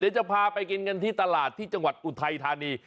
เดี๋ยวจะพาไปกินกันที่ตลาดที่จังหวัดอุทัยธานี